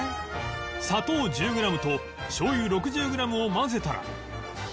砂糖１０グラムとしょうゆ６０グラムを混ぜたら